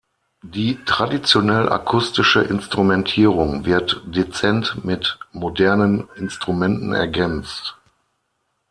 Die traditionell akustische Instrumentierung wird dezent mit modernen Instrumenten ergänzt.